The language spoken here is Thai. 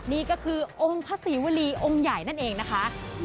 นี่ก็คือองค์พระศรีวรีองค์ใหญ่นั่นเองนะคะ